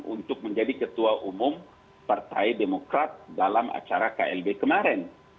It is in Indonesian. untuk menjadi ketua umum partai demokrat dalam acara klb kemarin